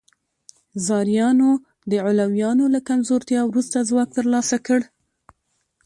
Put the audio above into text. زیاریانو د علویانو له کمزورتیا وروسته ځواک ترلاسه کړ.